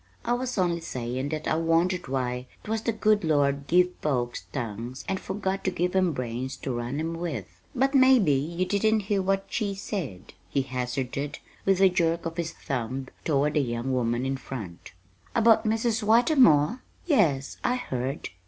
I was only sayin' that I wondered why 'twas the good Lord give folks tongues and forgot to give 'em brains to run 'em with. But maybe you didn't hear what she said," he hazarded, with a jerk of his thumb toward the young woman in front. "About Mrs. Whitermore? Yes, I heard."